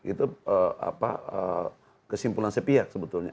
itu kesimpulan sepihak sebetulnya